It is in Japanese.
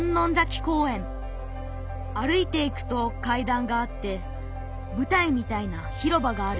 歩いていくとかいだんがあってぶたいみたいな広場がある。